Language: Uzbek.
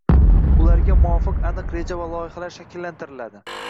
Ularga muvofiq, aniq reja va loyihalar shakllantiriladi.